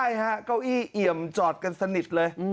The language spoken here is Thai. ใช่ฮะเก้าอี้เอี่ยมจอดกันสนิทเลย